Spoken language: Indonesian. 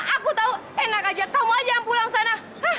aku tau enak aja kamu aja pulang sana